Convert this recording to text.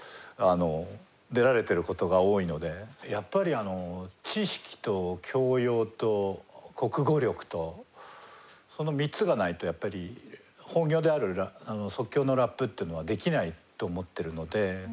やっぱり知識と教養と国語力とその３つがないとやっぱり本業である即興のラップというのはできないと思ってるので。